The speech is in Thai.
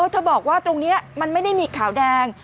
เธอบอกว่าตรงนี้มันไม่ได้มีขาวแดง